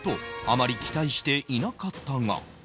あまり期待していなかったが